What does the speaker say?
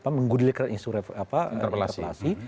menggodilkan insur interpelasi